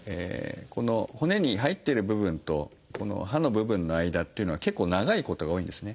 この骨に入っている部分とこの歯の部分の間っていうのは結構長いことが多いんですね。